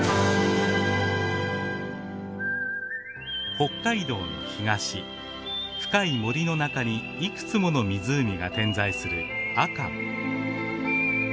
北海道の東深い森の中にいくつもの湖が点在する阿寒。